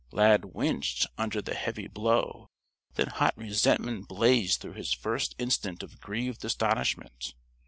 Lad winched under the heavy blow, then hot resentment blazed through his first instant of grieved astonishment.